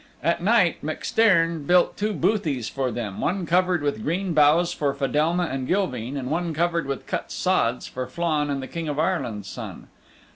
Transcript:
At night MacStairn built two bothies for them one covered with green boughs for Fedelma and Gilveen and one covered with cut sods for Flann and the King of Ireland's Son.